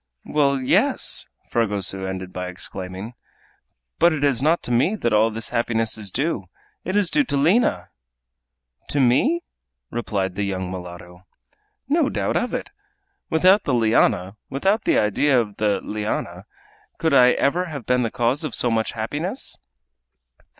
"Well, yes!" Fragoso ended by exclaiming; "but it is not to me that all this happiness is due, it is due to Lina!" "To me?" replied the young mulatto. "No doubt of it. Without the liana, without the idea of the liana, could I ever have been the cause of so much happiness?"